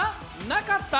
なかった？